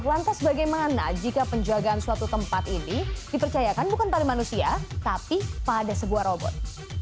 lantas bagaimana jika penjagaan suatu tempat ini dipercayakan bukan pada manusia tapi pada sebuah robot